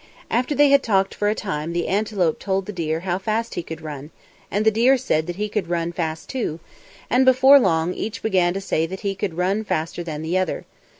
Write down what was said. After they had talked for a time the antelope told the deer how fast he could run, and the deer said that he could run fast too, and before long each began to say that he could run faster than the other.